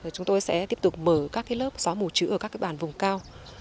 chúng tôi sẽ tiếp tục mở các lớp xóa mù chữ ở các bàn vùng cao